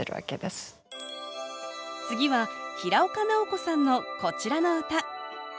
次は平岡直子さんのこちらの歌。